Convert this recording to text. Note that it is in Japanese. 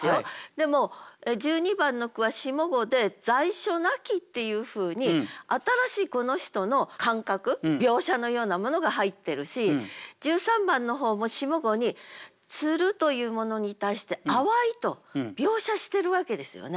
でも１２番の句は下五で「在所無き」っていうふうに新しいこの人の感覚描写のようなものが入ってるし１３番の方も下五に「つる」というものに対して「淡い」と描写してるわけですよね。